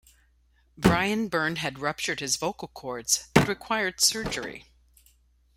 Brian Byrne had ruptured his vocal cords and required surgery.